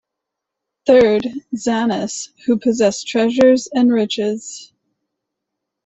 Third, xanas who possess treasures and riches.